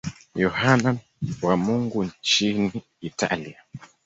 Yohane wa Mungu nchini Italia.